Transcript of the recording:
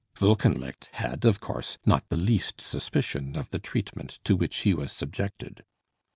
Wolkenlicht had, of course, not the least suspicion of the treatment to which he was subjected.